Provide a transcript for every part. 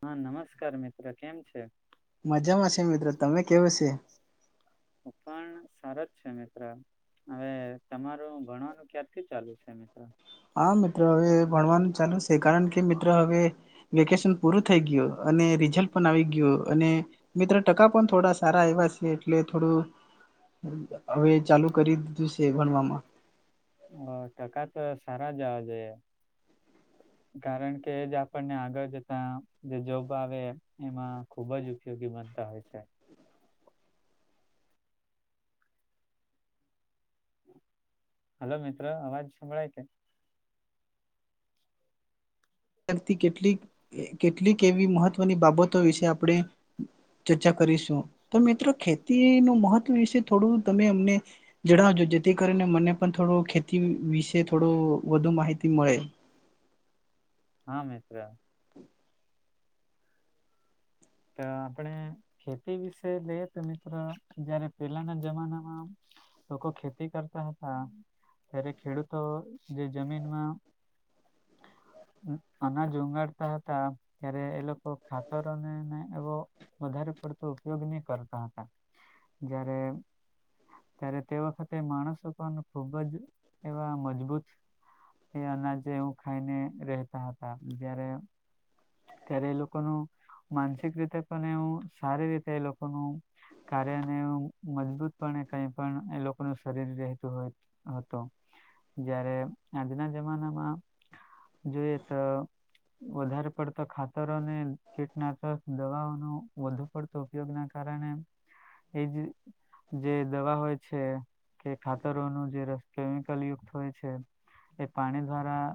હા નમસ્કાર મિત્ર કેમ છે? મજામાં છે મિત્ર. તમે કેવુ છે? પણ સારો જ છે મિત્ર. હવે તમારું ભણવાનું ક્યારથી ચાલુ છે મિત્ર? હા મિત્ર હવે ભણવાનું ચાલુ છે. કારણ કે મિત્ર હવે, વેકેશન પૂરું થઈ ગયું, અને રિઝલ્ટ પણ આવી ગીયુ. અને મિત્ર ટકા પણ થોડા સારા આયવા છે. એટલે થોડું અવે ચાલુ કરી દીધું છે. વણવામાં. હ ટકા ત સારા જ આવવા જોઈએ. કારણ કે, એ જ આપણને આગળ જતા જે જોબ આવે એમાં ખુબ જ ઉપયોગી બનતા હોય છે. હાલો મિત્ર! આવાજ સંભળાય કે? અત્યારથી કેટલીક, કેટલીક એવી મહત્વની બાબતો વિશે આપડે, ચર્ચા કરીશું. તો મિત્રો ખેતીનું મહત્વ વિશે થોડું તમે અમને જડાવજો જેથી કરીને મને પણ થોડો, ખેતી વિશે થોડુ વધુ માહિતી મળે. હા મિત્ર. ત આપણે ખેતી વિશે જઈએ તો મિત્ર, જયારે પેલાના જમાનામાં લોકો ખેતી કરતા હતા. ત્યારે ખેડૂતો જે જમીનમાં અનાજ ઊગાડતા હતા. ત્યારે એ લોકો ખાતરોને એવો વધારે પડતો ઉપયોગ ની કરતા હતા. જ્યારે ત્યારે તે વખતે માણસો પણ ખુબ જ એવા મજબૂત, એ અનાજે એવું ખાઈને રહેતા હતા. જયારે ત્યારે એ લોકોનું માનસિક રીતે પણ એવું સારી રીતે એ લોકોનું. કાર્યને એવુ. મજબૂત પણે કઈ પણ એ લોકોનું શરીર રહેતું હોય. હતો. જયારે આજના જમાનામાં જોઈએ તો, વધારે પડતો. ખાતરોને કીટનાશક દવાઓનો વધુ પડતો ઉપયોગ ના કારણે, એજ જે દવા હોય છે. કે ખાતરોનું જે ર કેમિકલ યુક્ત હોય છે. એ પાણી દ્વારા.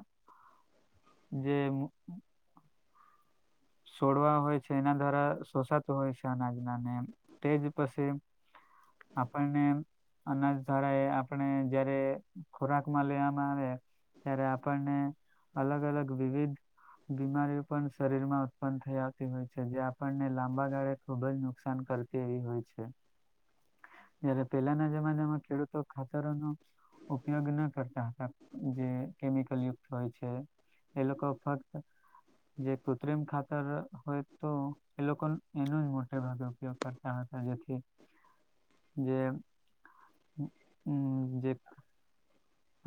જે સોડવા હોય છે. એના દ્વારા શોષાતું હોય છે અનાજના ને. તેજ પછી આપપણને અનાજ દળા એ આપણે જયારે ખોરાક માં લેવામાં આવે ત્યારે આપણને અલગ અલગ વિવિધ બીમારીઓ પણ શરીર માં પણ થઈ આવતી હોય છે જે આપણને લાંબા ગાળે ખુબ જ નુકસાન કરતી એવી હોય છે જયારે પેલાના જમાનામાં ખેડૂતો ખાતરોનો ઉપયોગ ના કરતા હતા જે કેમિકલ યુક્ત હોય છે એ લોકો ફક્ત જે કૃત્રિમ ખાતા હોય તો એ લોકો એનો જ મોટે ભાગે ઉપયોગ કરતા હતા જેથી જે ઉમ જે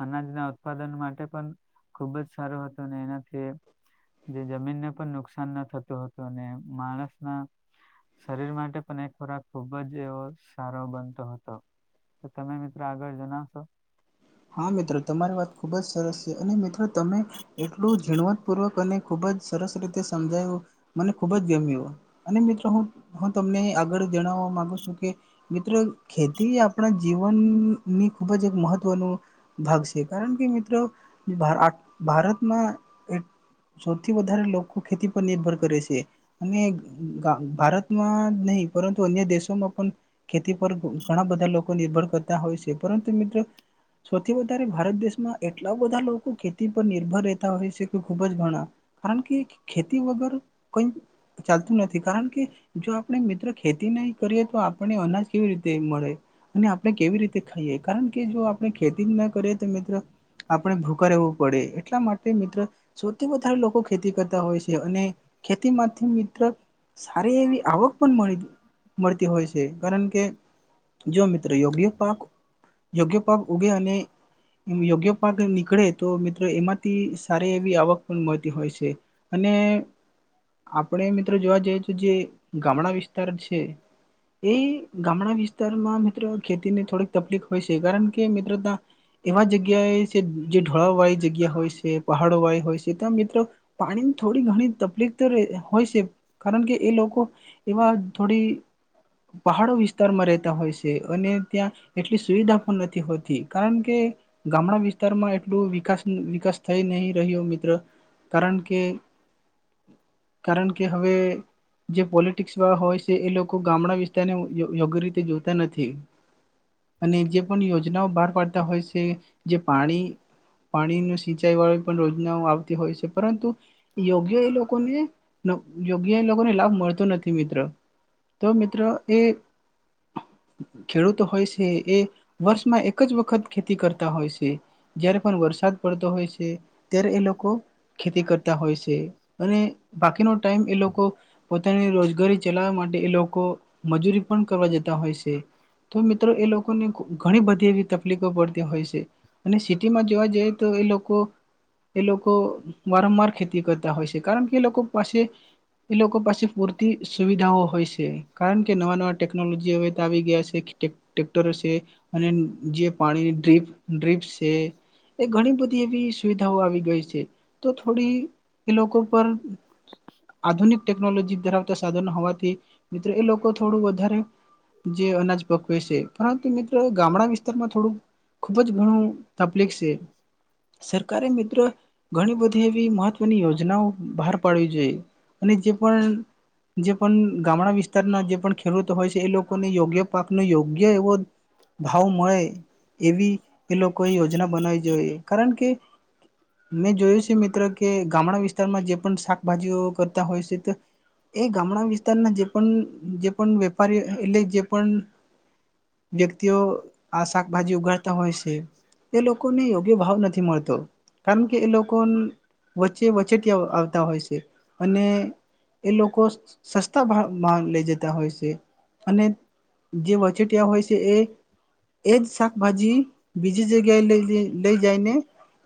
અનાજના ઉત્પાદન માટે પણ ખુબ જ સારું હતું અને એનાથી જે જમીનને પણ નુકસાન ન થતું હતું અને માણસના શરીર માટે પણ એક ખોરાક ખૂબ જ એવો સારો બનતો હતો તો તમે મિત્રો આગળ જણાવશો હા મિત્રો તમારી વાત ખુબ જ સરસ છે અને મિત્રો તમે એટલું ઝીણવતપૂર્વક અને ખૂબ જ સરસ રીતે સમજાયું મને ખૂબ જ ગમ અને મિત્રો હું હું તમને આગળ જણાવવા મામાંગુ છું કે મિત્રો ખેતી આપણા જીવનની ખૂબ જ એક મહત્વનું ભાગ છે કારણ કે મિત્રો ભારતમાં સૌથી વધારે લોકો ખેતી પર નિર્ભર કરે છે અને ભારતમાં નહીં પરંતુ અન્ય દેશોમાં પણ ખેતી પર ઘણા બધા લોકો નિર્ભર કરતા હોય છે પરંતુ મિત્રો સૌથી વધારે ભારત દેશમાં એટલા બધા લોકો ખેતી પર નિર્ભર રહેતા હોય છે કે ખુબ જ ઘણા કારણ કે ખેતી વગર કઈ ચાલતું નથી કારણ કે જો આપણે મિત્રો ખેતી નહી કરીએ તો આપને અનાજ કેવી રીતે મળે અને આપણે કેવી રીતે ખાઈએ કારણ કે જો આપણે ખેતી ના કરીએ તો મિત્રો આપણે ભૂખ રહેવું પડે એટલા માટે મિત્ર સૌથી વધારે લોકો ખેતી કરતા હોય છે અને ખેતીમાંથી મિત્ર સારી એવી આવક પણ મળી મળતી હોય છે કારણ કે જો મિત્રો યોગ્ય પાક યોગ્ય ગ ઉગે અને એ યોગ્ય પાક નીકળે તો મિત્રો એમાંથી સારી એવી આવક પણ મળતી હોય છે અને આપણે મિત્રો જોવા જઈએ તો જે ગામડા વિસ્તાર છે એ ગામડા વિસ્તારમાં મિત્રો ખેતીની થોડીક તકલીફ હોય છે કારણ કે મિત્રો ત એવા જગ્યાએ છે જે ઢોળા વાળી જગ્યા હોય છે પહાડો વાયી હોય છે ત્યાં મિત્રો પાણીની થોડી ઘણી તકલીફ તો હોય છે કારણ કે એ લોકો એવા થોડી પહાડો વિસ્તારમાં રહેતા હોય છે અને ત્યાં એટલી સુવિધા પણ નથી. નથી હોતી કારણ કે ગામડા વિસ્તારમાં એટલું વિકાસ વિકાસ થઈ નહી રહ્યો મિત્ર. કારણ કે કારણ કે હવે જે પોલિટિક્સ વાળા હોય છે એ લોકો ગામડા વિસ્તારને યોગ્ય રીતે જોતા નથી. અને જે પણ યોજનાઓ બહાર પાડતા હોય છે જે પાણી પાણીનુ સિંચાઈ વાળી પણ રયોજનાઓ આવતી હોય છે પરંતુ યોગ્ય એ લોકોને યોગ્ય એ લોકોને લાભ મળતો નથી મિત્ર. તો મિત્રો એ ખેડૂતો હોય છે એ વર્ષમાં એક જ વખત ખેતી કરતા હોય છે. જયારે પણ વરસાદ પડતો હોય છે ત્યારે એ લોકો ખેતી કરતા હોય છે અને બાકીનો ટાઈમ એ લોકો પોતાની રોજગારી ચલાવા માટે એ લોકો મજૂરી પણ કરવા જતા હોય છે. તો મિત્રો એ લોકોને ઘણી બધી એવી તકલીફો પડતી હોય છે અને સિટીમાં જોવા જઈએ તો એ લોકો એ લોકો વારંવાર ખેતી કરતા હોય છે કારણ કે એ લોકો પાસે એ લોકો પાસે પૂરતી સુવિધાઓ હોય છે કારણ કે નવા નવા ટેકનોલોજી હવે તો આવી ગયા છે. ટેક્ટરો છે અને જે પાણીની ડ્રીપ ડ્રિપ્સ એ ઘણી બધી એવી સુવિધાઓ આવી ગઈ છે તો થોડી કે લોકો પર આધુનિક ટેક ટેકનોલોજી ધરાવતા સાધનો હોવાથી મિત્રો એ લોકો થોડું વધારે જે અનાજ પકવે છે પરંતુ મિત્રો ગામડા વિસ્તારમાં થોડું ખુબ જ ઘણું તકલીફ છે. સરકારે મિત્રો ઘણી બધી એવી મહત્વની યોજનાઓ બહાર પાડવી જોઈએ અને જે પણ જે પણ ગામડા વિસ્તારના જે પણ ખેડૂતો હોય છે એ લોકોને યોગ્ય પાકનો યોગ્ય એવો ભાવ મળે એવી એ લોકોએ યોજના બનાવી જોઈએ કારણ કે મેં જોયું છે મિત્ર કે ગામડા વિસ્તારમાં જે પણ શાકભાજીઓ કરતા હોય છે તો એ ગામડા વિસ્તારના જે પણ જે પણ વેપારીઓ એટલે જે પણ વ્યક્તિઓ આ શાકભાજી ઉગાડતા હોય છે. એ લોકોને યોગ્ય ભાવ નથી મળતો કારણ કે એ લોકો ન વચ્ચે વચેટિયાઓ આવતા હોય છે અને એ લોકો સસ્તા ભાવ ભાવ લઈ જતા હોય છે અને જે વચેટિયા હોય છે એ એજ શાકભાજી બીજી જગ્યાએ લઈ લઈ જાયને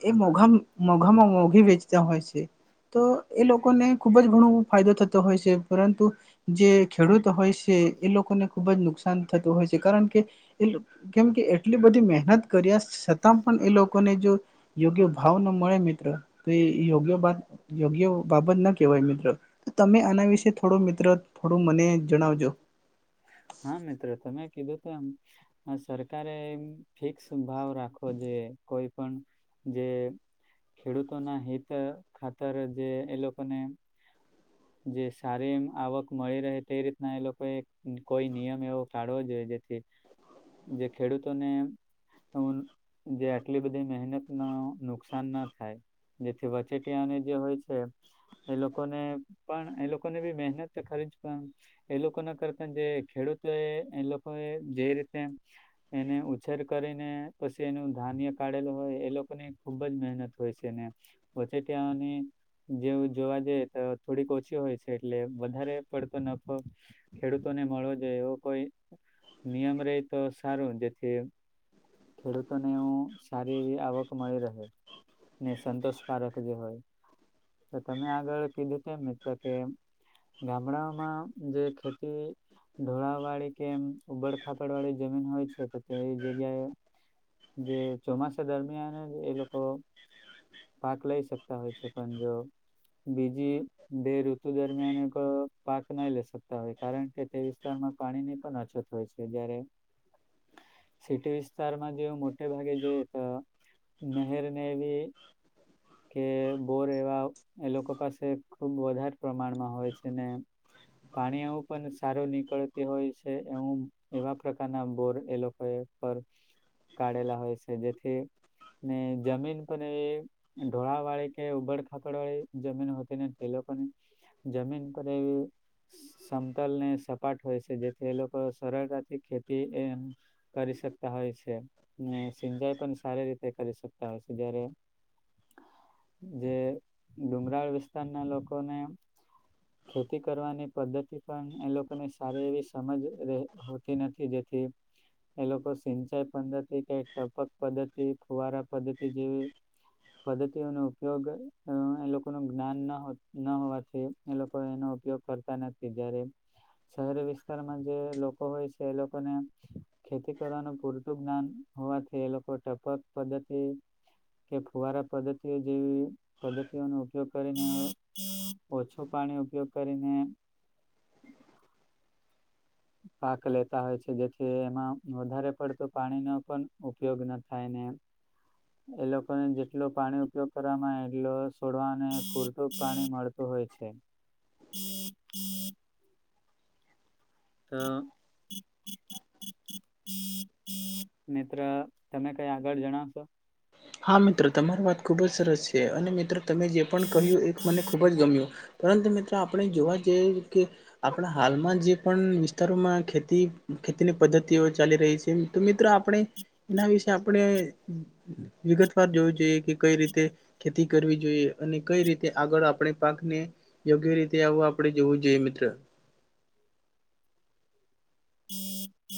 એ મોઘા મોઘામાં મોઘી વેચતા હોય છે. તો એ લોકોને ખુબ જ ઘણો ફાયદો થતો હોય છે પરંતુ જે ખેડૂત હોય છે એ લોકોને ખુબ જ નુકસાન થતું હોય છે કારણ કે કેમ કે એટલી બધી મહેનત કર્યા છતાં પણ એ લોકોને જો યોગ્ય ભાવ ન મળે મિત્રો તો એ યોગ્ય બાત યોગ્ય બાબત ના કેવાય મિત્રો. તમે આના વિશે થોડો મિત્ર થોડું મને જણાવજો. હા મિત્ર તમે કીધું તો તેમ. આ સરકારે એમ ફિક્સ ભાવ રાખવો જોઈ કોઈ પણ જે ખેડૂતોના હિત ખાતર જે એ લોકોને જે સારી આવક મળી રહે તે રીતના એ લોકો એક કોઈ નિયમ એવો કાઢવો જોઈએ જેથી જે ખેડૂતોને હ જે આટલી બધી મહેનતનો નુકસાન ના થાય. જેથી વચેટીયાને જે હોય છે. એ લોકોને પણ એ લોકોને બી મહેનત ખરી જ પણ એ લોકો ના કરતા જે ખેડૂતો એ એ લોકો એ જે રીતે એને ઉછેર કરીને પછી એનું ધાન્ય કાઢેલું હોય એ લોકોની ખુબ જ મહેનત હોય છે એને વછેટીની જેવું જોવા જે તો થોડીક ઓછી હોય છે એટલે વધારે પડતો નફો ખેડૂતોને મળવો જોઈએ એવો કોઈ નિયમ રે તો સારું જેથી ખેડૂતોને એવું સારી એવી આવક મળી રહે ને સંતોષકારક જે હોય તો તમે આગળ કીધું છેમ મિત્ર કે ગામડાઓમાં જેેતી કે ઢોળ વાડી કે ઉબડ ખાપડ વાળડી જમીન હોય છે તો તે જગ્યાએ જે ચોમાસા દરમિયાન એ લોકો પાક લઈ શકતા હોય છે પણ જો બીજી બે ઋતુ દરમિયાન એક પાક ના લે સકતા હોય કારણ કે તે વિસ્તારમાં પાણી ની પણ અછત હોય છે જયારે. સિટી વિસ્તારમાં જે મોટે ભાગે જોઈએ તો નહેર ને એવી કે બોર એવા એ લોકો પાસે ખુબ વધારે પ્રમાણમાં હોય છે ને પાણી એવું. પણ સારો નીકળતી હોય છે એું એવા પ્રકારના બોર એ લોકોએ પર. કાઢેલા હોય છે જેથી ને જમીન પણ એ. ઢોળા વાળી કે ઉબડ ખાકડ વાળી જમીન હતી ને તે લોકોની. જમીન પર એવી. સમતલને સપાટ હોય છે જેથી એ લોકો સરળતાથી ખેતી એ. કરી શકતા હોય છે. સિંચાઈ પણ સારી રીતે કરી શકતા હોય છે જારે. જે ડુમરાળ વિસ્તારના લોકોને. ખેતી કરવાની પદ્ધતિ. પણ એ લોકોને સારી એવી સમજ રહે હોતી નથી જેથી. એ લોકો સિંચાઈ પદ્ધતિ કે ટપક પદ્ધતિ ફુવારા પદ્ધતિ જેવી. પદ્ધતિઓનો ઉપયોગ એ લોકોનું જ્ઞાન ન ન હોવાથી. એ લોકો એનો ઉપયોગ કરતા નથી જયારે. શહેરી વિસ્તારમાં જે લોકો હોય છે એ લોકોને. ખેતી કરવાનું પૂરતું જ્ઞાન હોવાથી એ લોકો ટપક પદ્ધતિ. કે ફુવારા પદ્ધતિઓ જેવી. પદ્ધતિઓનો ઉપયોગ કરીને ઓછું પાણી ઉપયોગ કરીને. [inaudible] પાક લેતા હોય છે જેથી એમાં વધારે પડતું પાણીનો પણ ઉપયોગ ન થાય ને. એ લોકોને જેટલ પાણી ઉપયોગ કરવાવામાં આવે એટલો સોડવાને પૂરતું પાણી મળત. હોય છે. હા! મિત્ર તમે કઈ આગળ જણાવશો? હા મિત્રો તમારી વાત ખુબ જ સરસ છે અને મિત્રો. તમે જે પણ કહ્યું એ મને ખૂબ જ ગમ્યું પરંતુ મિત્રો આપણે જોવા જઈ કે. આપણા હાલમાં જે પણ વિસ્તારોમાં ખેતી ખેતીની પદ્ધતિઓ ચાલી રહી છે, તો મિત્રો આપ. આપણે એના વિશે આપણે વિગત વાર જોવું જોઈએ કે કઈ રીતે. ખેતી કરવી જોઈએ અને કઈ રીતે આગળ આપણે પાકને. યોગ્ય રીતે આવું આપડણે જોવું જોઈએ મિત્ર. હમ હમ! [inaudible]